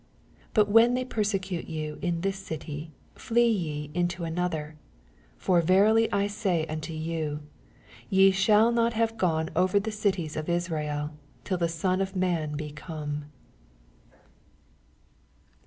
23 But when they persecute you in this city, flee ye mto another : for verily I say untoyouj Ye shall not have gone over the cities of Israel, till the Son of man be come.